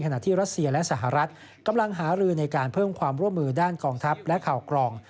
ที่รัสเซียและสหรัฐกำลังหารือในการเพิ่มความร่วมมือด้านกองทัพและข่าวกรอง